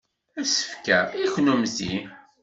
Asefk-a i kennemti.